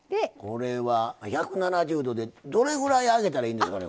これは１７０℃でどれぐらい揚げたらいいんですか？